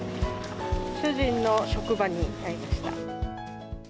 主人の職場に買いました。